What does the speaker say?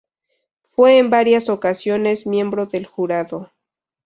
Fue en varias ocasiones miembro del jurado.